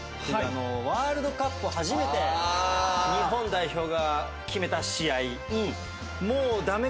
ワールドカップを初めて日本代表が決めた試合。